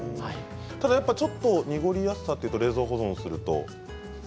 ただちょっと濁りやすさというか冷蔵保存すると。